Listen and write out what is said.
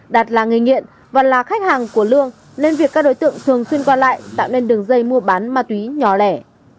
đạt là người nghiện và là khách hàng của lương nên việc các đối tượng thường xuyên qua lại tạo nên đường dây mua bán ma túy nhỏ lẻ